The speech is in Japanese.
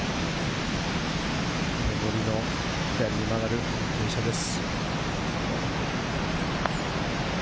のぼりの左に曲がる傾斜です。